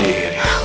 bisa gak tau c